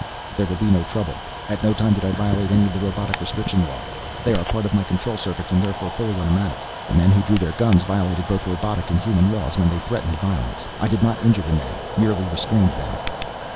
"There will be no trouble. At no time did I violate any of the Robotic Restriction Laws, they are part of my control circuits and therefore fully automatic. The men who drew their guns violated both robotic and human law when they threatened violence. I did not injure the men merely restrained them."